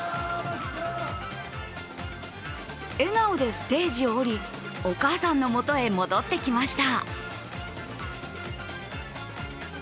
笑顔でステージを降り、お母さんの元へ戻ってきました。